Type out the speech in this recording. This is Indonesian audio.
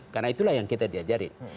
karena itulah yang kita diajarin